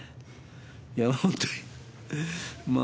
いや本当にまあ